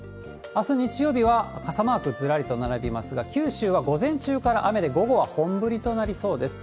あす日曜日は傘マークずらりと並びますが、九州は午前中から雨で、午後は本降りとなりそうです。